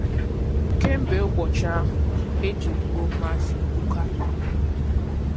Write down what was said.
kemgbe ụbọchị ahụ e jiri gbuo maazị Igboka